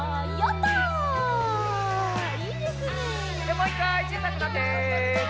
もう１かいちいさくなって。